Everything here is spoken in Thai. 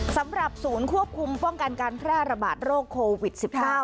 สำหรับศูนย์ควบคุมป้องกันการแพร่ระบาดโรคโควิด๑๙